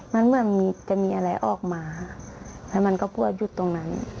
มันเหมือนมีจะมีอะไรออกมาแล้วมันก็พวดหยุดตรงนั้น